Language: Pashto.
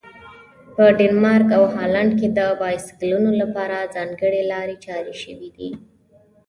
په ډنمارک او هالند کې د بایسکلونو لپاره ځانګړي لارې چارې شوي دي.